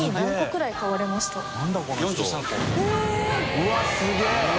うわすげぇ！